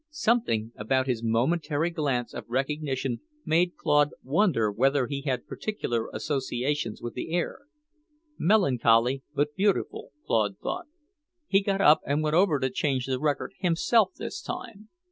Something about his momentary glance of recognition made Claude wonder whether he had particular associations with the air, melancholy, but beautiful, Claude thought. He got up and went over to change the record himself this time.